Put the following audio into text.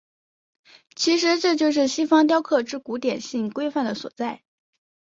其实这就是西方雕刻之古典性规范的所在。